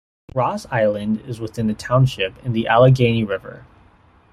Ross Island is within the township in the Allegheny River.